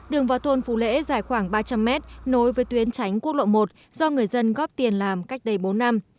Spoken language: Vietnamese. đường vào thôn phú lễ dài khoảng ba trăm linh mét nối với tuyến tránh quốc lộ một do người dân góp tiền làm cách đây bốn năm